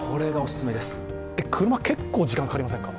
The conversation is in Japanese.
車、結構時間かかりませんか？